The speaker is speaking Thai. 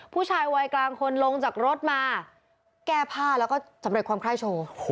ผู้ชายวัยกลางคนลงจากรถมาแก้ผ้าแล้วก็สำเร็จความไคร้โชว์